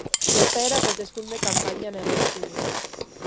Gertaerak hauteskunde-kanpaina nahigabetu du.